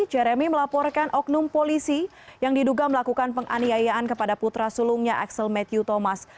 jeremy melaporkan oknum polisi yang diduga melakukan penganiayaan kepada putra sulungnya axel matthew thomas